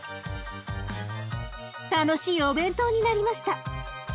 楽しいお弁当になりました！